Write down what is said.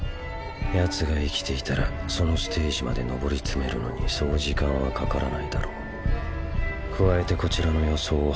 ヤツが生きていたらそのステージまで上り詰めるのにそう時間はかからないだろう。